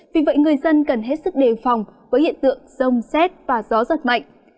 vì vậy người dân cần hết sức đề phòng với hiện tượng rông xét và gió giật mạnh